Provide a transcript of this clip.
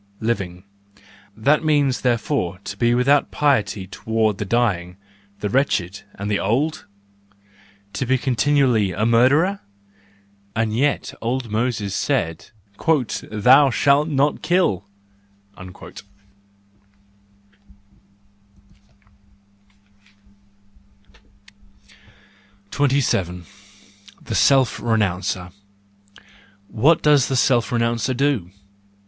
Living—that means, there¬ fore, to be without piety toward the dying, the wretched and the old ? To be continually a mur¬ derer?—And yet old Moses said :" Thou shalt not kill!" THE JOYFUL WISDOM, I 69 27. The Self Renouncer .— What does the self renouncer do?